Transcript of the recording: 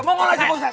mongol aja pausat